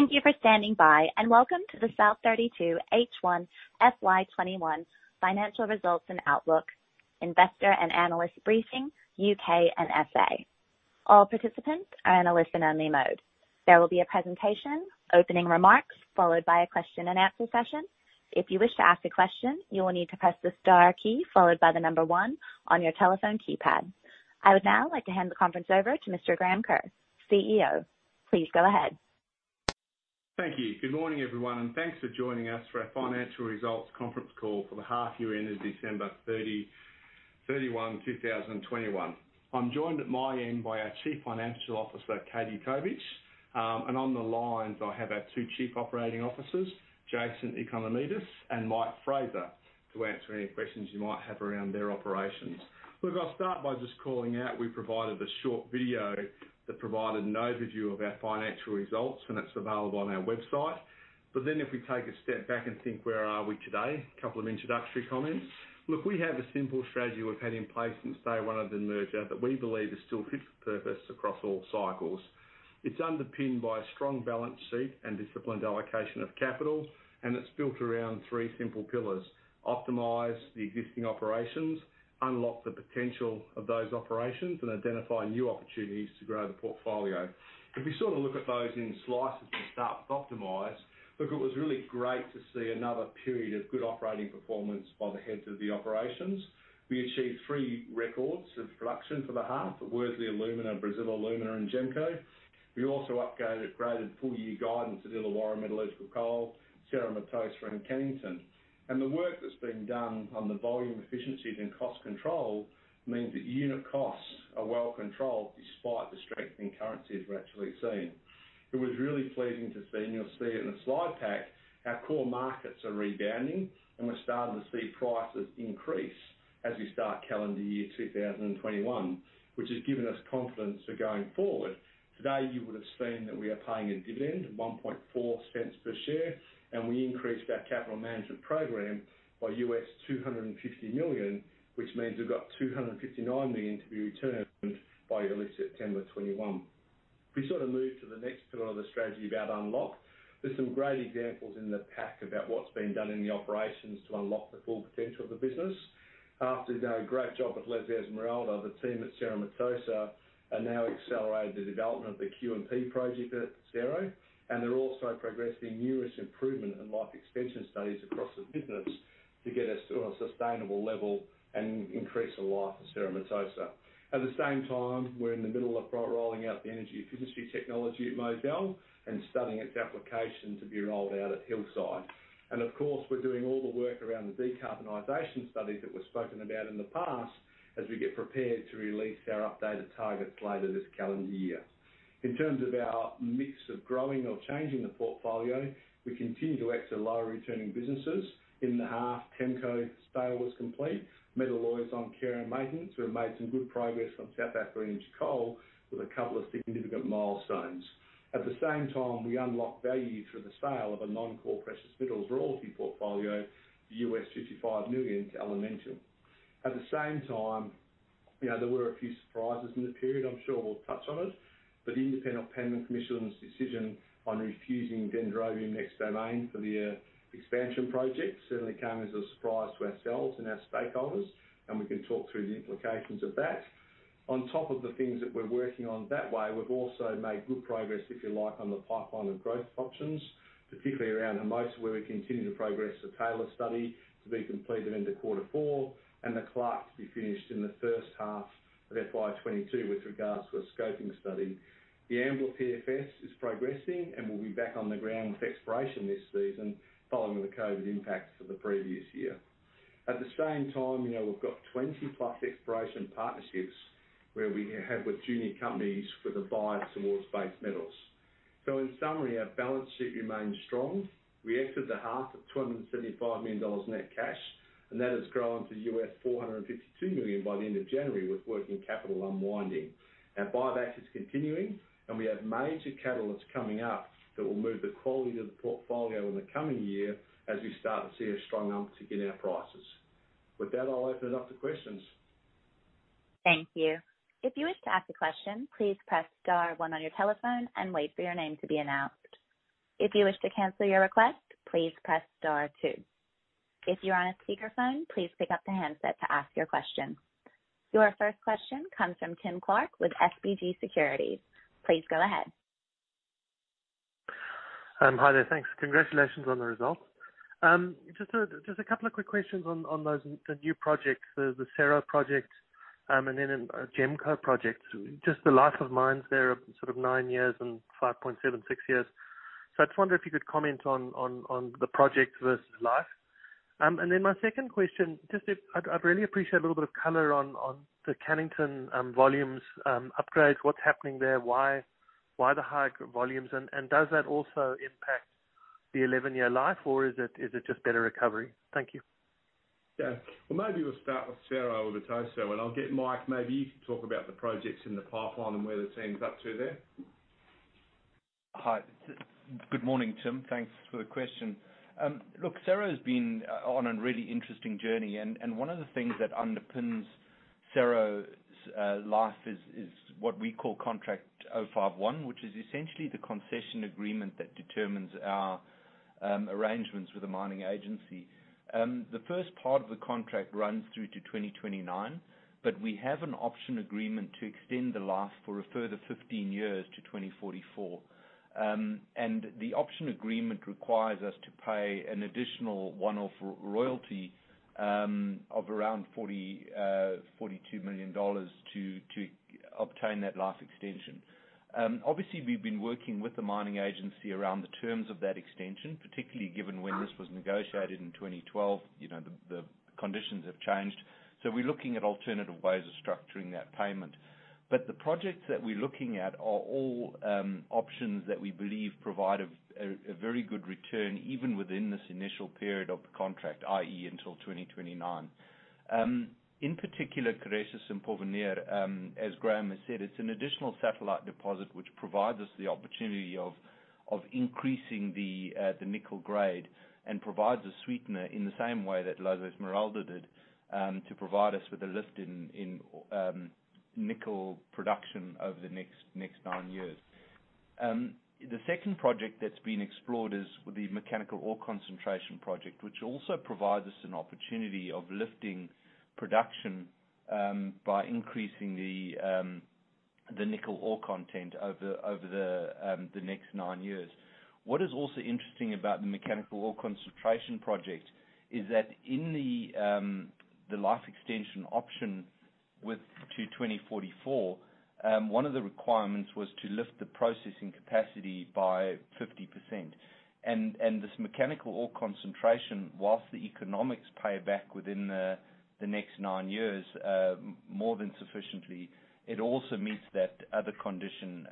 Thank you for standing by, and welcome to the South32 H1 FY 2021 financial results and outlook investor and analyst briefing, U.K. and S.A. All participants are in listen only mode. There will be a presentation, opening remarks, followed by a question-and-answer session. If you wish to ask a question, you will need to press the star key followed by the number one on your telephone keypad. I would now like to hand the conference over to Mr. Graham Kerr, CEO. Please go ahead. Thank you. Good morning, everyone, and thanks for joining us for our financial results conference call for the half-year ended December 31, 2021. I'm joined at my end by our Chief Financial Officer, Katie Tovich. On the lines, I have our two Chief Operating Officers, Jason Economidis and Mike Fraser, to answer any questions you might have around their operations. Look, I'll start by just calling out, we provided a short video that provided an overview of our financial results, and that's available on our website. If we take a step back and think, where are we today, a couple of introductory comments. Look, we have a simple strategy we've had in place since day one of the merger that we believe still fits the purpose across all cycles. It's underpinned by a strong balance sheet and disciplined allocation of capital. It's built around three simple pillars: optimize the existing operations, unlock the potential of those operations, and identify new opportunities to grow the portfolio. If we look at those in slices and start with optimize, look, it was really great to see another period of good operating performance by the heads of the operations. We achieved three records of production for the half at Worsley Alumina, Brazil Alumina, and GEMCO. We also upgraded full-year guidance at Illawarra Metallurgical Coal, Cerro Matoso, and Cannington. The work that's been done on the volume efficiencies and cost control means that unit costs are well controlled despite the strengthening currency we're actually seeing. It was really pleasing to see, and you'll see it in the slide pack, our core markets are rebounding, and we're starting to see prices increase as we start calendar year 2021, which has given us confidence for going forward. Today, you would have seen that we are paying a dividend of $0.014 per share, and we increased our capital management program by $250 million, which means we've got $259 million to be returned by early September 2021. If we move to the next pillar of the strategy about unlock. There's some great examples in the pack about what's being done in the operations to unlock the full potential of the business. After doing a great job at Las Esmeraldas, the team at Cerro Matoso are now accelerating the development of the QMP project at Cerro, and they're also progressing numerous improvement and life extension studies across the business to get us to a sustainable level and increase the life of Cerro Matoso. At the same time, we're in the middle of rolling out the EnPot technology at Mozal and studying its application to be rolled out at Hillside. Of course, we're doing all the work around the decarbonization studies that were spoken about in the past as we get prepared to release our updated targets later this calendar year. In terms of our mix of growing or changing the portfolio, we continue to exit lower returning businesses. In the half, TEMCO sale was complete. Metalloys on care and maintenance. We have made some good progress on South African Coal with a couple of significant milestones. At the same time, we unlocked value through the sale of a non-core precious metals royalty portfolio, $55 million to Elemental. At the same time, there were a few surprises in the period. I'm sure we'll touch on it, The Independent Planning Commission's decision on refusing Dendrobium Next Domain for the expansion project certainly came as a surprise to ourselves and our stakeholders, and we can talk through the implications of that. On top of the things that we're working on that way, we've also made good progress, if you like, on the pipeline of growth options, particularly around Hermosa, where we continue to progress the Taylor Project to be completed into quarter four and the Clark to be finished in the first half of FY 2022 with regards to a scoping study. The Ambler PFS is progressing, and we'll be back on the ground with exploration this season following the COVID impacts of the previous year. At the same time, we've got 20+ exploration partnerships where we have with junior companies with a bias towards base metals. In summary, our balance sheet remains strong. We entered the half with $275 million net cash, and that has grown to $452 million by the end of January with working capital unwinding. Our buyback is continuing, and we have major catalysts coming up that will move the quality of the portfolio in the coming year as we start to see a strong uptick in our prices. With that, I'll open it up to questions. Thank you. If you would like to ask a question, please press star one on your telephone and wait for your name to be announced. If you wish to cancel your request, please press star two. If you are on a speakerphone, please pick up the handset to ask your question. Your first question comes from Tim Clark with SBG Securities. Please go ahead. Hi there. Thanks. Congratulations on the results. Just a couple of quick questions on the new projects, the Cerro project, and GEMCO project. Just the life of mines there are sort of nine years and 5.76 years. I just wonder if you could comment on the project versus life? My second question, I'd really appreciate a little bit of color on the Cannington volumes upgrades. What's happening there? Why the high volumes? Does that also impact the 11-year life, or is it just better recovery? Thank you. Yeah. Well, maybe we'll start with Cerro Matoso, and I'll get Mike. Maybe you can talk about the projects in the pipeline and where the team's up to there. Good morning, Tim. Thanks for the question. Cerro's been on a really interesting journey, and one of the things that underpins Cerro's life is what we call contract 051, which is essentially the concession agreement that determines our arrangements with the mining agency. The first part of the contract runs through to 2029, but we have an option agreement to extend the life for a further 15 years to 2044. The option agreement requires us to pay an additional one-off royalty of around $42 million to obtain that life extension. We've been working with the mining agency around the terms of that extension, particularly given when this was negotiated in 2012, the conditions have changed. We're looking at alternative ways of structuring that payment. The projects that we're looking at are all options that we believe provide a very good return, even within this initial period of the contract, i.e., until 2029. In particular, Queresas & Porvenir, as Graham has said, it's an additional satellite deposit, which provides us the opportunity of increasing the nickel grade and provides a sweetener in the same way that Las Esmeraldas did, to provide us with a lift in nickel production over the next nine years. The second project that's been explored is the mechanical ore concentration project, which also provides us an opportunity of lifting production by increasing the nickel ore content over the next nine years. What is also interesting about the mechanical ore concentration project is that in the life extension option to 2044, one of the requirements was to lift the processing capacity by 50%. This mechanical ore concentration, whilst the economics pay back within the next nine years more than sufficiently, it also meets that other condition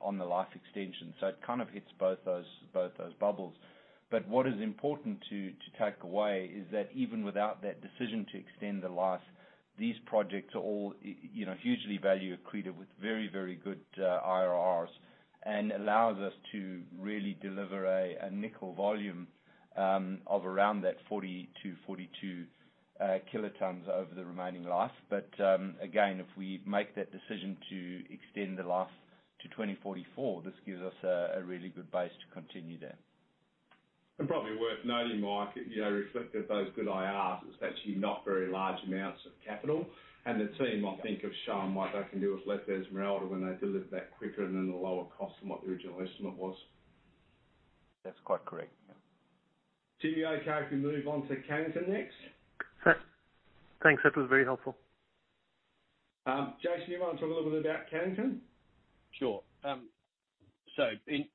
on the life extension. It kind of hits both those bubbles. What is important to take away is that even without that decision to extend the life, these projects are all hugely value accretive with very, very good IRRs, and allows us to really deliver a nickel volume of around that 40 kt to 42 kt over the remaining life. Again, if we make that decision to extend the life to 2044, this gives us a really good base to continue there. Probably worth noting, Mike, reflective of those good IRRs, it's actually not very large amounts of capital. The team, I think, have shown what they can do with Las Esmeraldas when they deliver that quicker and in a lower cost than what the original estimate was. That's quite correct. Yeah. Tim, are you okay if we move on to Cannington next? Thanks. That was very helpful. Jason, you want to talk a little bit about Cannington? Sure.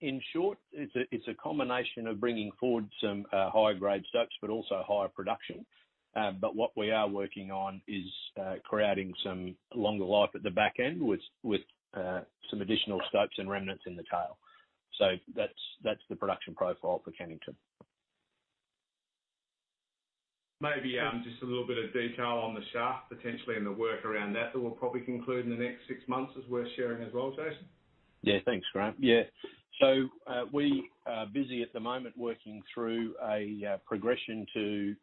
In short, it's a combination of bringing forward some higher-grade stopes, but also higher production. What we are working on is creating some longer life at the back end with some additional stopes and remnants in the tail. That's the production profile for Cannington. Maybe just a little bit of detail on the shaft, potentially, and the work around that we'll probably conclude in the next six months is worth sharing as well, Jason. Yeah, thanks, Graham. Yeah. We are busy at the moment working through a progression to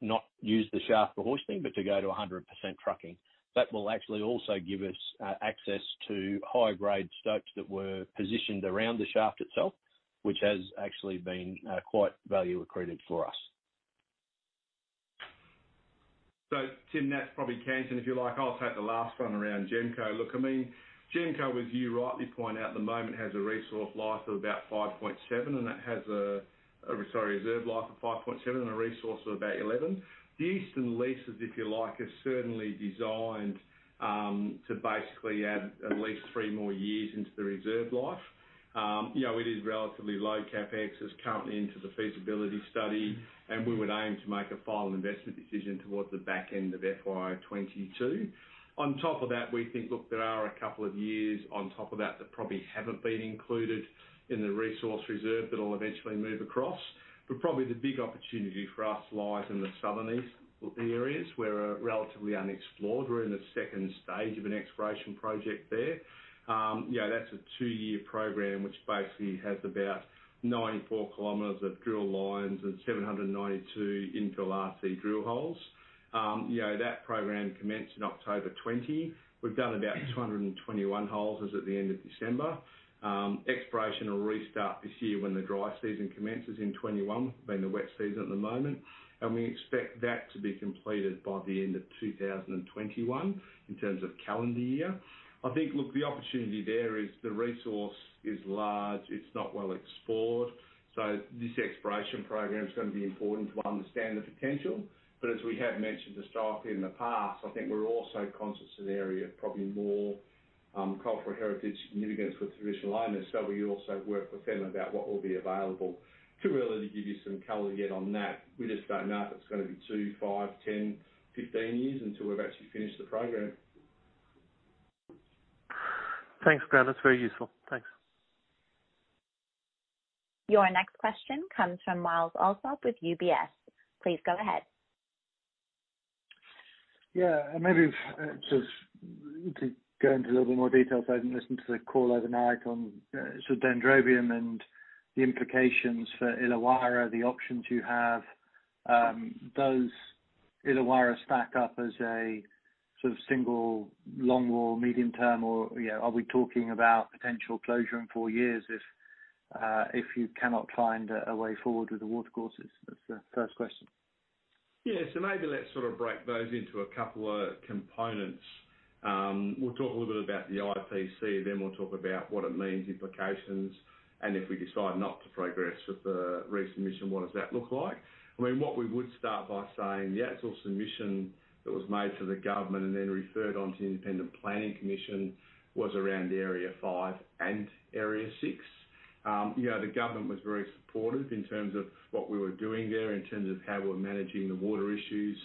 not use the shaft for hoisting, but to go to 100% trucking. That will actually also give us access to higher-grade stopes that were positioned around the shaft itself, which has actually been quite value accretive for us. Tim, that's probably Cannington, if you like. I'll take the last one around GEMCO. GEMCO, as you rightly point out, at the moment, has a resource life of about 5.7 years, reserve life of 5.7 years and a resource of about 11 years. The eastern leases, if you like, are certainly designed to basically add at least three more years into the reserve life. It is relatively low CapEx as currently into the feasibility study, and we would aim to make a final investment decision towards the back end of FY 2022. On top of that, we think, there are a couple of years on top of that which probably haven't been included in the resource reserve that will eventually move across. Probably the big opportunity for us lies in the southern east areas, where are relatively unexplored. We're in the second stage of an exploration project there. That's a two-year program, which basically has about 94 km of drill lines and 792 infill RC drill holes. That program commenced in October 2020. We've done about 221 holes as at the end of December. Exploration will restart this year when the dry season commences in 2021, being the wet season at the moment. We expect that to be completed by the end of 2021 in terms of calendar year. I think, look, the opportunity there is the resource is large. It's not well explored. This exploration program is going to be important to understand the potential. As we have mentioned historically in the past, I think we're also conscious of the area, probably more cultural heritage significance with traditional owners. We also work with them about what will be available. Too early to give you some color yet on that. We just don't know if it's going to be two, five, 10, 15 years until we've actually finished the program. Thanks, Graham. That's very useful. Thanks. Your next question comes from Myles Allsop with UBS. Please go ahead. Yeah. Maybe if, to go into a little bit more detail, I've been listening to the call overnight on sort of Dendrobium and the implications for Illawarra, the options you have. Does Illawarra stack up as a sort of single longwall, medium term, or are we talking about potential closure in four years if you cannot find a way forward with the water courses? That's the first question. Yeah. Maybe let's sort of break those into a couple of components. We'll talk a little bit about the IPC, then we'll talk about what it means, implications, and if we decide not to progress with the resubmission, what does that look like? What we would start by saying, the actual submission that was made to the government and then referred on to the Independent Planning Commission was around Area 5 and Area 6. The government was very supportive in terms of what we were doing there, in terms of how we're managing the water issues,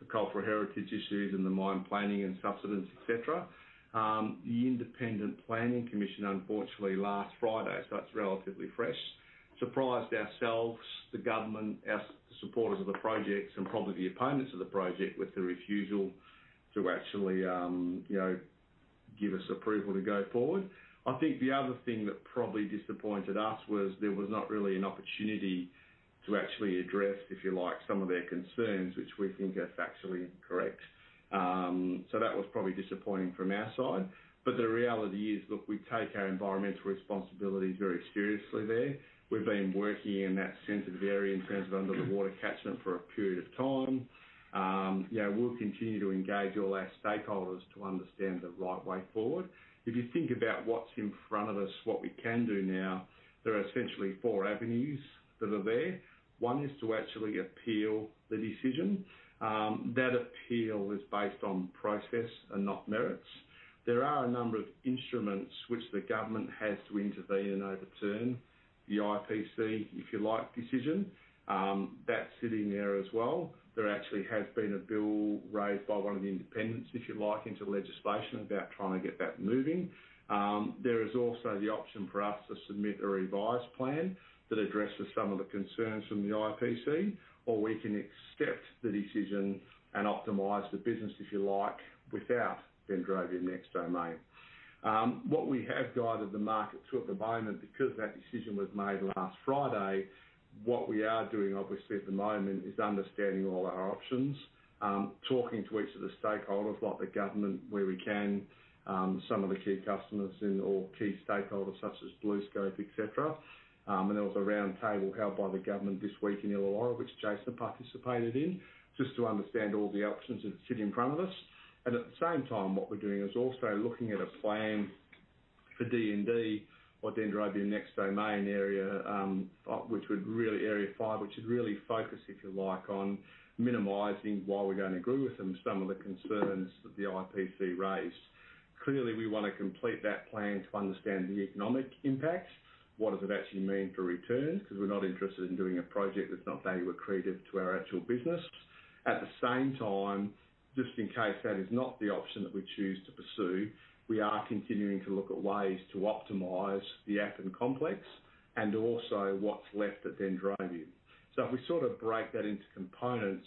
the cultural heritage issues, and the mine planning and subsidence, et cetera. The Independent Planning Commission, unfortunately, last Friday, so it's relatively fresh, surprised ourselves, the government, us supporters of the project and probably the opponents of the project, with the refusal to actually give us approval to go forward. I think the other thing that probably disappointed us was there was not really an opportunity to actually address, if you like, some of their concerns, which we think are factually incorrect. That was probably disappointing from our side. The reality is, look, we take our environmental responsibilities very seriously there. We've been working in that sensitive area in terms of under the water catchment for a period of time. We'll continue to engage all our stakeholders to understand the right way forward. If you think about what's in front of us, what we can do now, there are essentially four avenues that are there. One is to actually appeal the decision. That appeal is based on process and not merits. There are a number of instruments which the government has to intervene and overturn the IPC, if you like, decision. That's sitting there as well. There actually has been a bill raised by one of the independents, if you like, into legislation about trying to get that moving. There is also the option for us to submit a revised plan that addresses some of the concerns from the IPC, or we can accept the decision and optimize the business, if you like, without Dendrobium Next Domain. What we have guided the market to at the moment, because that decision was made last Friday, what we are doing obviously at the moment is understanding all our options. Talking to each of the stakeholders, like the government, where we can, some of the key customers or key stakeholders such as BlueScope, et cetera. There was a round table held by the government this week in Illawarra, which Jason participated in, just to understand all the options that sit in front of us. At the same time, what we're doing is also looking at a plan for DND or Dendrobium Next Domain area, Area 5, which would really focus, if you like, on minimizing, while we're going to agree with them, some of the concerns that the IPC raised. Clearly, we want to complete that plan to understand the economic impact. What does it actually mean for returns? Because we're not interested in doing a project that's not value accretive to our actual business. At the same time, just in case that is not the option that we choose to pursue, we are continuing to look at ways to optimize the Appin complex and also what's left at Dendrobium. If we sort of break that into components,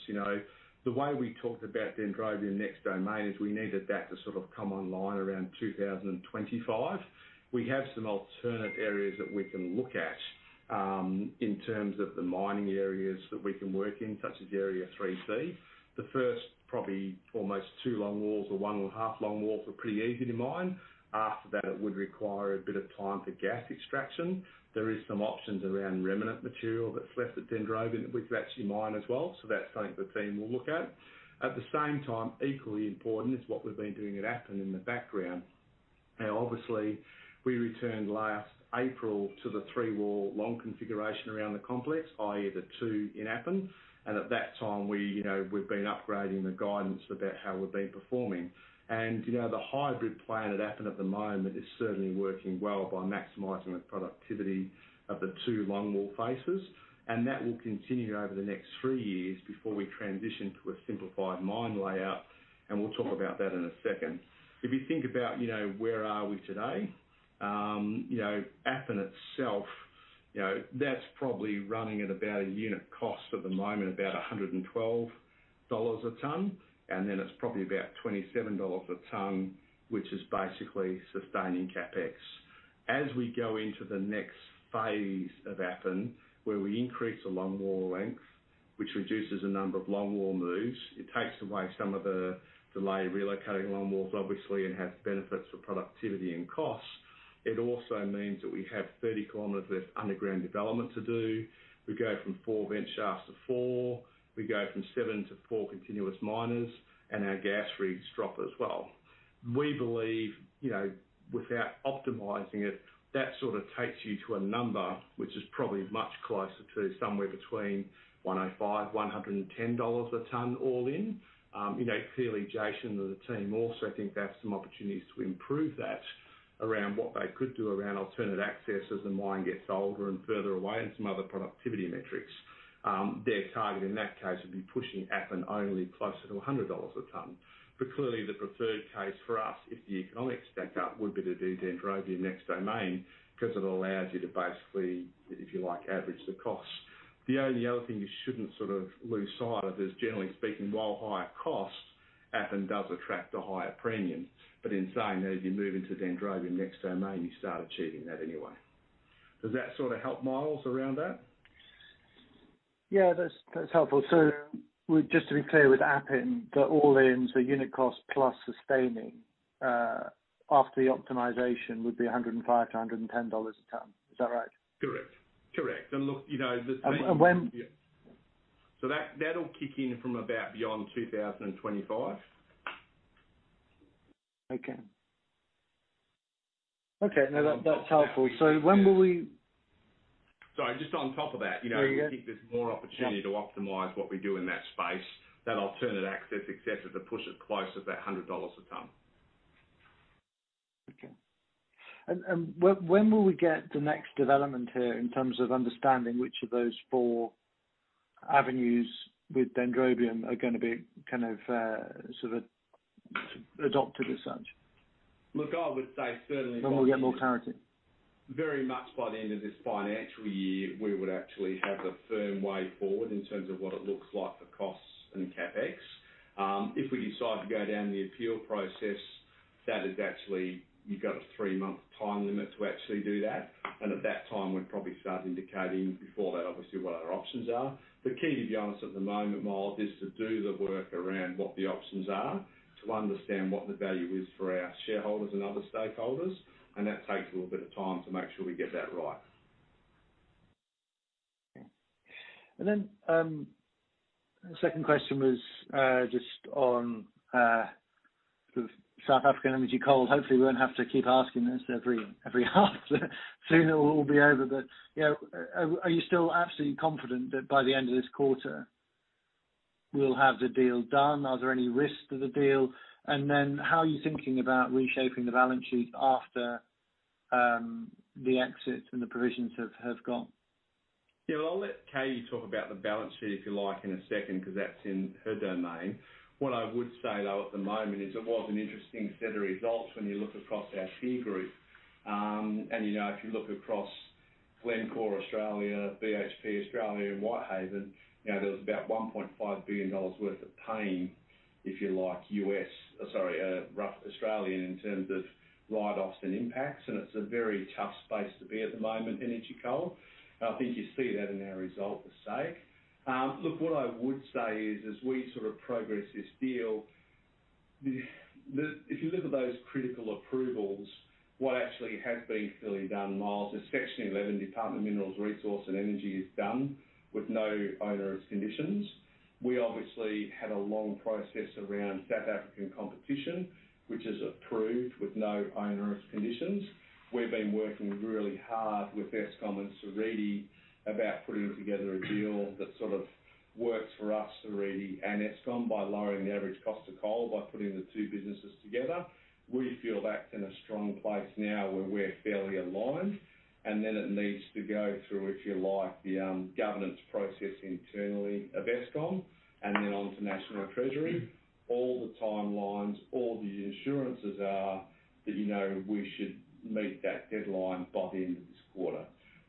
the way we talked about Dendrobium Next Domain is we needed that to sort of come online around 2025. We have some alternate areas that we can look at in terms of the mining areas that we can work in, such as Area 3C. The first probably almost two longwalls or 1. 5 longwalls are pretty easy to mine. After that, it would require a bit of time for gas extraction. There is some options around remnant material that's left at Dendrobium that we could actually mine as well. That's something the team will look at. At the same time, equally important is what we've been doing at Appin in the background. Now obviously, we returned last April to the three-wall long configuration around the complex, i.e., the two in Appin. At that time, we've been upgrading the guidance about how we've been performing. The hybrid plan at Appin at the moment is certainly working well by maximizing the productivity of the two longwall faces. That will continue over the next three years before we transition to a simplified mine layout, and we will talk about that in a second. If you think about where are we today, Appin itself, that is probably running at about a unit cost at the moment, about $112 a ton, and then it is probably about $27 a ton, which is basically sustaining CapEx. As we go into the next phase of Appin, where we increase the longwall length, which reduces the number of longwall moves, it takes away some of the delay of relocating longwalls, obviously, and has benefits for productivity and costs. It also means that we have 30 km underground development to do. We go from four vent shafts to four. We go from seven to four continuous miners, and our gas reads drop as well. We believe, without optimizing it, that sort of takes you to a number which is probably much closer to somewhere between $105-$110 a ton all in. Clearly, Jason and the team also think they have some opportunities to improve that around what they could do around alternate access as the mine gets older and further away and some other productivity metrics. Their target in that case would be pushing Appin only closer to $100 a ton. Clearly the preferred case for us, if the economics stack up, would be to do Dendrobium Next Domain because it allows you to basically, if you like, average the cost. The only other thing you shouldn't sort of lose sight of is generally speaking, while higher cost Appin does attract a higher premium. In saying that, if you move into Dendrobium Next Domain, you start achieving that anyway. Does that sort of help, Myles, around that? Yeah, that's helpful. Just to be clear, with Appin, the all-ins, the unit cost plus sustaining, after the optimization would be $105-$110 a ton. Is that right? Correct. And look, you know- And when- That'll kick in from about beyond 2025. Okay. Now that's helpful. When will we- Sorry, just on top of that- There you go. ...we think there is more opportunity to optimize what we do in that space. That alternate access, except that to push it close is that $100 a ton. Okay. When will we get the next development here in terms of understanding which of those four avenues with Dendrobium are going to be sort of adopted as such? Look, I would say certainly- When will we get more clarity? ...very much by the end of this financial year, we would actually have a firm way forward in terms of what it looks like for costs and CapEx. If we decide to go down the appeal process, that is actually, you've got a three-month time limit to actually do that. At that time, we'd probably start indicating before that, obviously, what our options are. The key, to be honest, at the moment, Myles, is to do the work around what the options are, to understand what the value is for our shareholders and other stakeholders, and that takes a little bit of time to make sure we get that right. Okay. The second question was, just on, sort of South Africa Energy Coal. Hopefully, we won't have to keep asking this every half. Soon it will all be over, but are you still absolutely confident that by the end of this quarter we'll have the deal done? Are there any risks to the deal? How are you thinking about reshaping the balance sheet after the exits and the provisions have gone? I'll let Katie talk about the balance sheet if you like in a second, because that's in her domain. What I would say, though, at the moment is it was an interesting set of results when you look across our peer group. If you look across Glencore Australia, BHP Australia, and Whitehaven, there was about 1.5 billion dollars worth of pain, if you like, US, sorry, rough Australian in terms of write-offs and impacts. It's a very tough space to be at the moment in Energy Coal. I think you see that in our result for SAEC. Look, what I would say is as we sort of progress this deal, if you look at those critical approvals, what actually has been fully done, Myles, is Section 11, Department of Mineral Resources and Energy is done with no onerous conditions. We obviously had a long process around South African competition, which is approved with no onerous conditions. We've been working really hard with Eskom and Seriti about putting together a deal that sort of works for us, Seriti, and Eskom by lowering the average cost of coal by putting the two businesses together. We feel that's in a strong place now where we're fairly aligned, and then it needs to go through, if you like, the governance process internally of Eskom, and then on to National Treasury. All the timelines, all the insurances are that we should meet that deadline by the end of this quarter.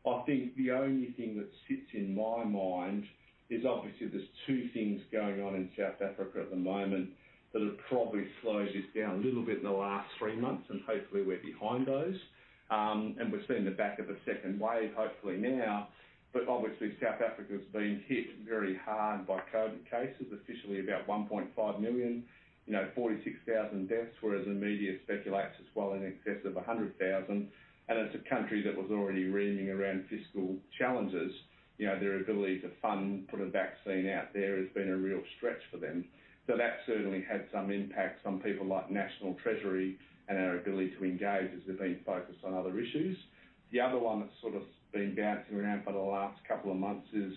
I think the only thing that sits in my mind is obviously there's two things going on in South Africa at the moment that have probably slowed this down a little bit in the last three months, and hopefully we're behind those. We've seen the back of a second wave, hopefully now, but obviously South Africa's been hit very hard by COVID cases, officially about 1,546,000 deaths, whereas the media speculates it's well in excess of 100,000 deaths. It's a country that was already reeling around fiscal challenges. Their ability to fund, put a vaccine out there has been a real stretch for them. That certainly had some impact on people like National Treasury and our ability to engage as they've been focused on other issues. The other one that's sort of been bouncing around for the last couple of months is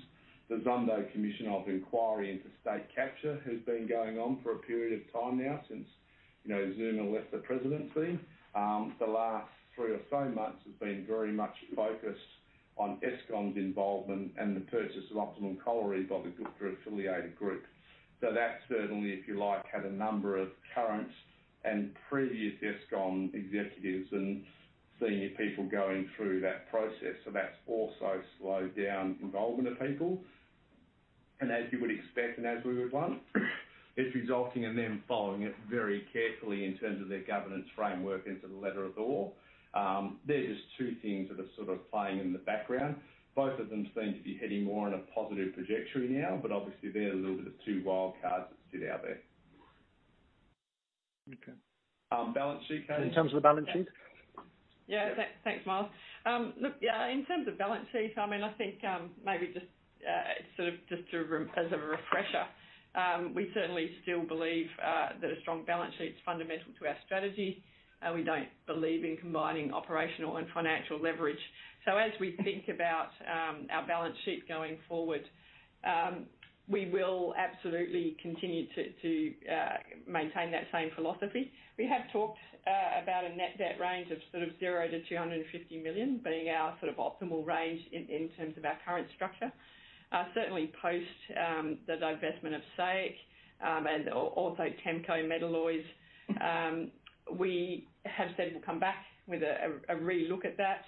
the Zondo Commission of Inquiry into State Capture, has been going on for a period of time now since Zuma left the presidency. The last three or so months have been very much focused on Eskom's involvement and the purchase of Optimum Coal by the Gupta-affiliated group. That certainly, if you like, had a number of current and previous Eskom executives and senior people going through that process. That's also slowed down involvement of people. As you would expect and as we would want, it's resulting in them following it very carefully in terms of their governance framework into the letter of the law. They're just two things that are sort of playing in the background. Both of them seem to be heading more on a positive trajectory now, obviously, they're the little bit of two wild cards that sit out there. Okay. Balance sheet, Katie? In terms of the balance sheet? Yeah, thanks, Myles. Look, in terms of balance sheet, I think, maybe just as a refresher, we certainly still believe that a strong balance sheet is fundamental to our strategy. We don't believe in combining operational and financial leverage. As we think about our balance sheet going forward, we will absolutely continue to maintain that same philosophy. We have talked about a net debt range of sort of $0-$350 million being our optimal range in terms of our current structure. Certainly post the divestment of SAEC, and also TEMCO, Metalloys, we have said we'll come back with a re-look at that.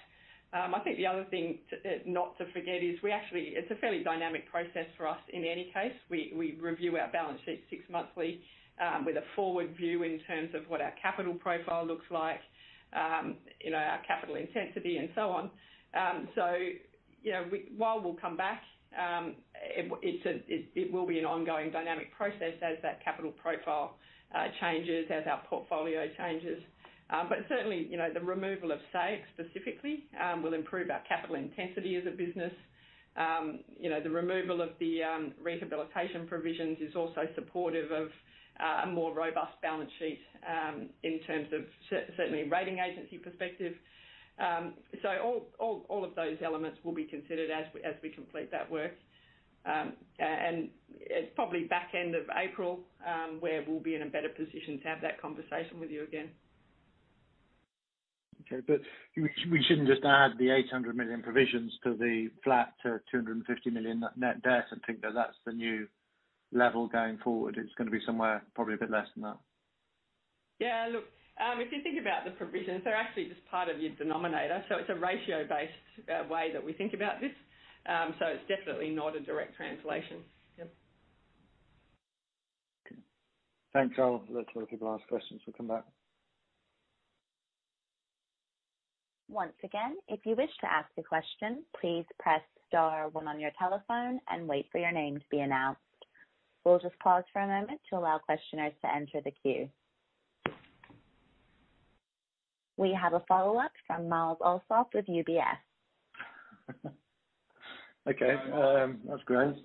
I think the other thing not to forget is it's a fairly dynamic process for us in any case. We review our balance sheet six-monthly with a forward view in terms of what our capital profile looks like, our capital intensity, and so on. While we'll come back, it will be an ongoing dynamic process as that capital profile changes, as our portfolio changes. Certainly, the removal of SAEC specifically will improve our capital intensity as a business. The removal of the rehabilitation provisions is also supportive of a more robust balance sheet in terms of, certainly, rating agency perspective. All of those elements will be considered as we complete that work. It's probably back end of April, where we'll be in a better position to have that conversation with you again. Okay. We shouldn't just add the $800 million provisions to the flat $250 million net debt and think that that's the new level going forward. It's going to be somewhere probably a bit less than that. Look, if you think about the provisions, they're actually just part of your denominator, it's a ratio-based way that we think about this. It's definitely not a direct translation. Yep. Okay. Thanks. Let a few other people ask questions. We will come back. Once again, if you wish to ask a question, please press star one on your telephone and wait for your name to be announced. We'll pause for a moment ta allow questioners to enter the queue. We have a follow-up from Myles Allsop with UBS. Okay. Thanks Graham.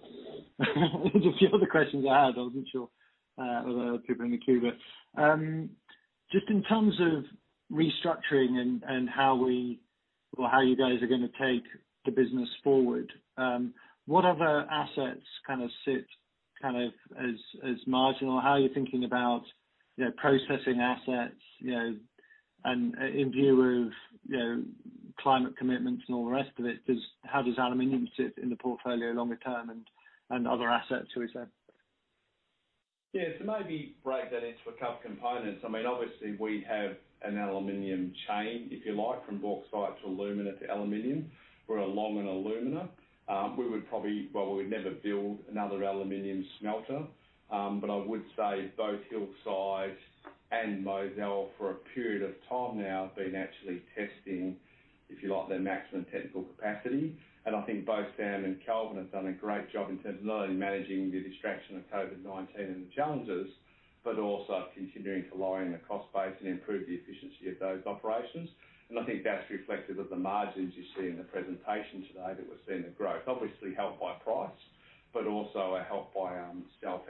Just a few other questions I had. I wasn't sure whether there were people in the queue. Just in terms of restructuring and how you guys are going to take the business forward, what other assets kind of sit as marginal? How are you thinking about processing assets, and in view of climate commitments and all the rest of it, how does aluminum sit in the portfolio longer term, and other assets for that? Yeah. Maybe break that into a couple components. Obviously, we have an aluminum chain, if you like, from bauxite to alumina to aluminum. We're long on alumina. We would never build another aluminum smelter. I would say both Hillside and Mozal, for a period of time now, have been actually testing, if you like, their maximum technical capacity. I think both Sam and Calvin have done a great job in terms of not only managing the distraction of COVID-19 and the challenges, but also continuing to lower the cost base and improve the efficiency of those operations. I think that's reflected in the margins you see in the presentation today, that we're seeing the growth. Obviously helped by price, but also helped by scale.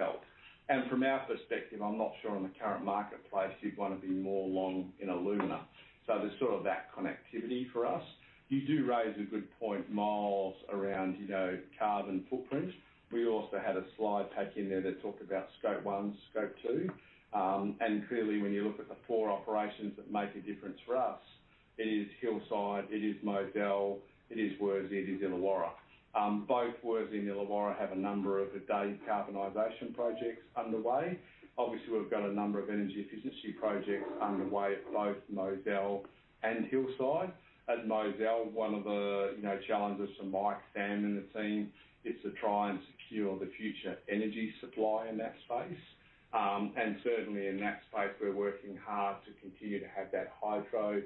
From our perspective, I'm not sure in the current marketplace you'd want to be more long in alumina. There's sort of that connectivity for us. You do raise a good point, Myles, around carbon footprint. We also had a slide packed in there that talked about Scope 1, Scope 2. Clearly, when you look at the four operations that make a difference for us, it is Hillside, it is Mozal, it is Worsley, it is Illawarra. Both Worsley and Illawarra have a number of de-carbonization projects underway. Obviously, we've got a number of energy efficiency projects underway at both Mozal and Hillside. At Mozal, one of the challenges for Mike, Sam and the team is to try and secure the future energy supply in that space. Certainly in that space, we're working hard to continue to have that hydro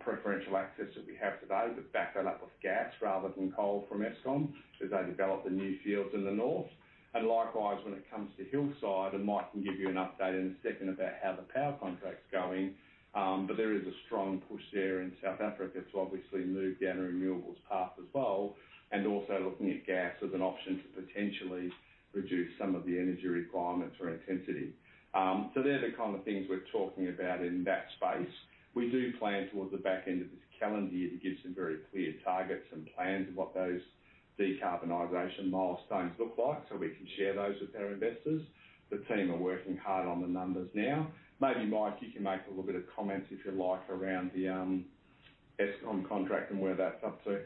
preferential access that we have today, but back that up with gas rather than coal from Eskom as they develop the new fields in the north. Likewise, when it comes to Hillside, and Mike can give you an update in a second about how the power contract's going, but there is a strong push there in South Africa to obviously move down a renewables path as well, and also looking at gas as an option to potentially reduce some of the energy requirements or intensity. They're the kind of things we're talking about in that space. We do plan towards the back end of this calendar year to give some very clear targets and plans of what those decarbonization milestones look like so we can share those with our investors. The team are working hard on the numbers now. Mike, you can make a little bit of comment, if you like, around the Eskom contract and where that's up to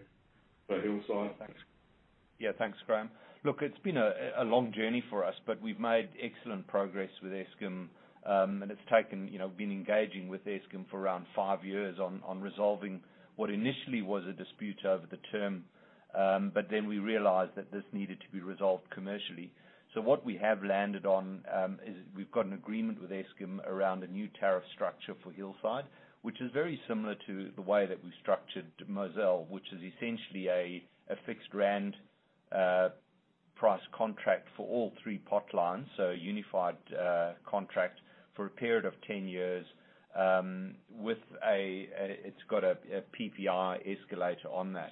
for Hillside. Thanks. Yeah, thanks, Graham. Look, it's been a long journey for us, but we've made excellent progress with Eskom. It's been engaging with Eskom for around five years on resolving what initially was a dispute over the term. We realized that this needed to be resolved commercially. What we have landed on is we've got an agreement with Eskom around a new tariff structure for Hillside, which is very similar to the way that we structured Mozal, which is essentially a fixed rand price contract for all three pot lines, so a unified contract for a period of 10 years. It's got a PPI escalator on that.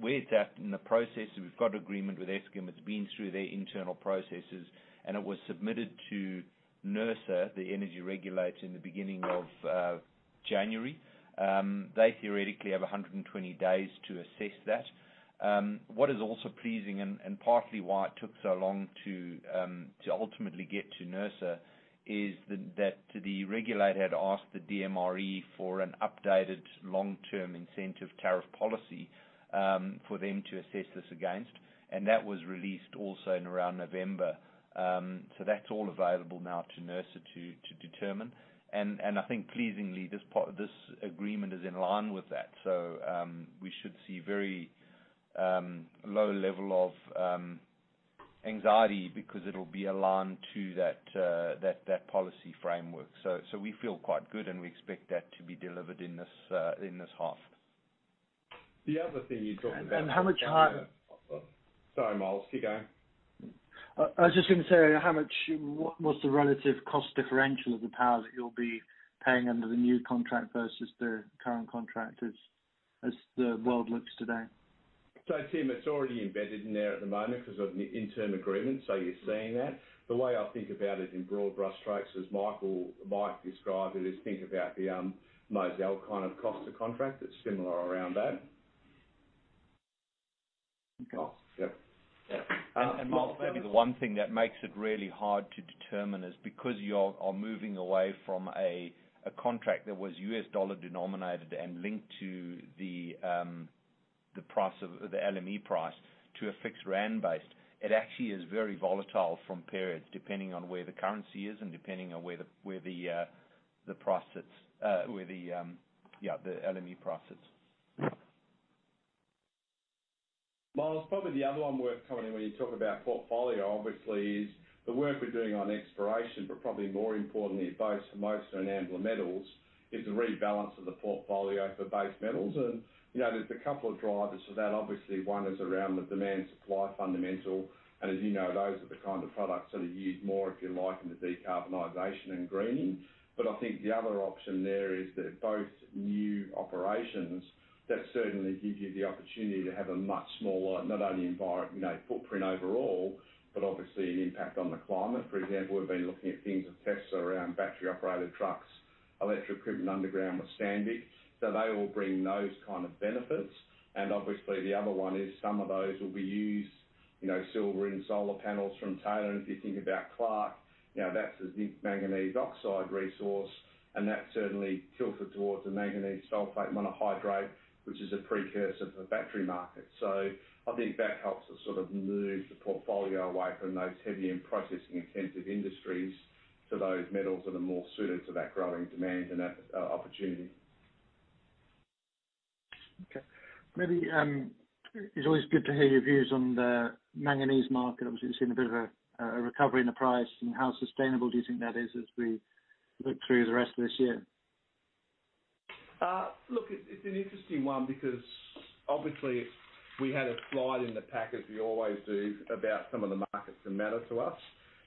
Where's that in the process? We've got agreement with Eskom. It's been through their internal processes, and it was submitted to NERSA, the energy regulator, in the beginning of January. They theoretically have 120 days to assess that. What is also pleasing, and partly why it took so long to ultimately get to NERSA, is that the regulator had asked the DMRE for an updated long-term incentive tariff policy for them to assess this against, and that was released also in around November. That's all available now to NERSA to determine. I think pleasingly, this agreement is in line with that. We should see very low level of anxiety because it'll be aligned to that policy framework. We feel quite good, and we expect that to be delivered in this, in this half. The other thing you talked about. How much are- Sorry, Myles, keep going. ... I was just going to say, how much, what was the relative cost differential of the power that you'll be paying under the new contract versus the current contract as the world looks today? It's already embedded in there at the moment because of the interim agreement, so you're seeing that. The way I think about it in broad brush strokes, as Mike described it, is think about the Mozal kind of cost of contract. It's similar around that. Okay. Yep. Myles, maybe the one thing that makes it really hard to determine is because you are moving away from a contract that was U.S. dollar denominated and linked to the LME price to a fixed rand base. It actually is very volatile from period, depending on where the currency is and depending on where the price sits, where the, yeah, the LME price sits. Myles, probably the other one worth covering when you talk about portfolio, obviously, is the work we're doing on exploration, but probably more importantly at both Mozal and Ambler Metals is the rebalance of the portfolio for base metals. There's a couple of drivers for that. One is around the demand supply fundamental, and as you know, those are the kind of products that are used more, if you like, in the decarbonization and greening. I think the other option there is they're both new operations that certainly give you the opportunity to have a much smaller, not only environment, footprint overall, but obviously an impact on the climate. For example, we've been looking at things with tests around battery-operated trucks, electric equipment underground with Sandvik. They all bring those kind of benefits. Obviously the other one is some of those will be used, silver in solar panels from Taylor. If you think about Clark, that's a zinc-manganese oxide resource, and that's certainly tilted towards a manganese sulfate monohydrate, which is a precursor for battery market. I think that helps us sort of move the portfolio away from those heavy and processing-intensive industries to those metals that are more suited to that growing demand and that opportunity. Okay. Maybe, it's always good to hear your views on the manganese market. Obviously, it's seen a bit of a recovery in the price, how sustainable do you think that is as we look through the rest of this year? Look, it's an interesting one because obviously we had a slide in the pack as we always do about some of the markets that matter to us,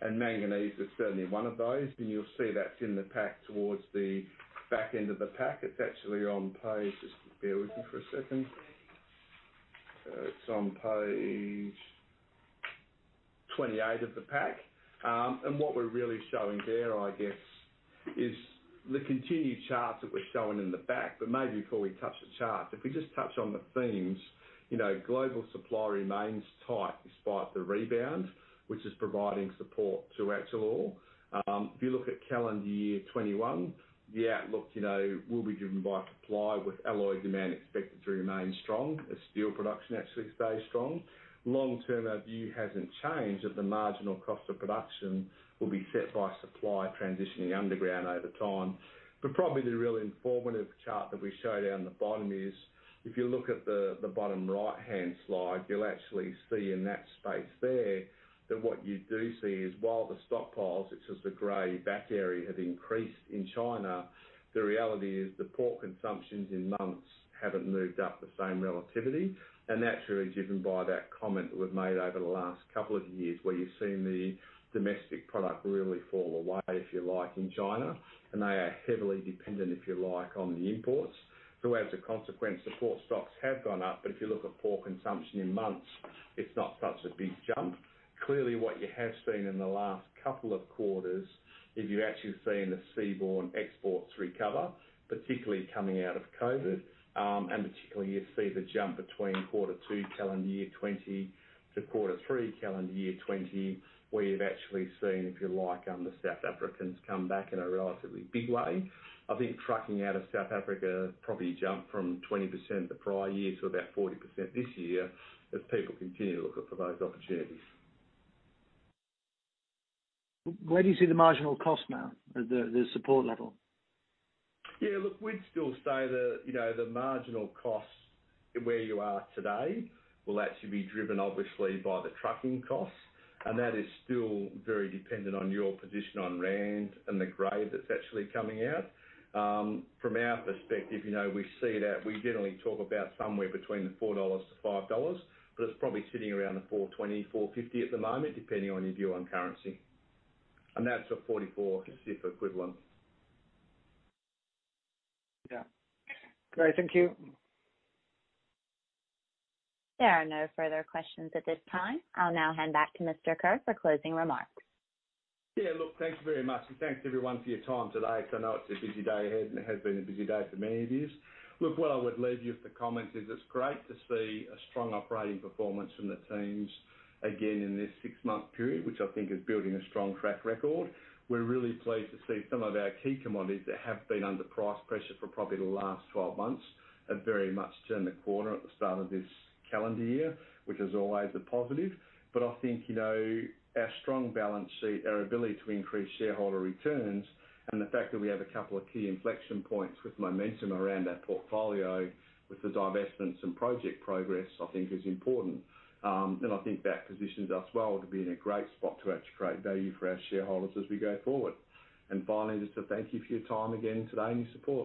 and manganese is certainly one of those. You'll see that's in the pack towards the back end of the pack. Just bear with me for a second. It's on page 28 of the pack. What we're really showing there, I guess, is the continued charts that we're showing in the back. Maybe before we touch the chart, if we just touch on the themes. Global supply remains tight despite the rebound, which is providing support to actual ore. If you look at calendar year 2021, yeah, look, we'll be driven by supply with alloy demand expected to remain strong as steel production actually stays strong. Long-term, our view hasn't changed that the marginal cost of production will be set by supply transitioning underground over time. Probably the real informative chart that we show down the bottom is if you look at the bottom right-hand slide, you'll actually see in that space there, that what you do see is while the stockpiles, which is the gray back area, have increased in China, the reality is the port consumptions in months haven't moved up the same relativity. That's really driven by that comment that we've made over the last couple of years, where you've seen the domestic product really fall away, if you like, in China. They are heavily dependent, if you like, on the imports. As a consequence, the port stocks have gone up, but if you look at port consumption in months, it's not such a big jump. What you have seen in the last couple of quarters is you're actually seeing the seaborne exports recover, particularly coming out of COVID. Particularly you see the jump between quarter two calendar year 2020 to quarter three calendar year 2020, where you've actually seen, if you like, the South Africans come back in a relatively big way. I think trucking out of South Africa probably jumped from 20% the prior year to about 40% this year as people continue to look out for those opportunities. Where do you see the marginal cost now at the support level? Yeah, look, we'd still say the marginal cost where you are today will actually be driven obviously by the trucking costs, and that is still very dependent on your position on rand and the grade that's actually coming out. From our perspective, we see that we generally talk about somewhere between the $4-$5, but it's probably sitting around the $4.20, $4.50 at the moment, depending on your view on currency. That's at 44% equivalent. Yeah. Great. Thank you. There are no further questions at this time. I'll now hand back to Mr. Kerr for closing remarks. Yeah, look, thank you very much, and thanks everyone for your time today because I know it's a busy day ahead, and it has been a busy day for many of you. Look, what I would leave you with the comment is it's great to see a strong operating performance from the teams again in this six-month period, which I think is building a strong track record. We're really pleased to see some of our key commodities that have been under price pressure for probably the last 12 months have very much turned the corner at the start of this calendar year, which is always a positive. I think, our strong balance sheet, our ability to increase shareholder returns, and the fact that we have a couple of key inflection points with momentum around our portfolio with the divestments and project progress, I think is important. I think that positions us well to be in a great spot to create value for our shareholders as we go forward. Finally, just to thank you for your time again today and your support.